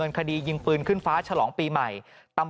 ปี๖๕วันเกิดปี๖๔ไปร่วมงานเช่นเดียวกัน